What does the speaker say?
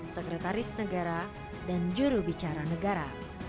sekretaris negara dan jurubicara negara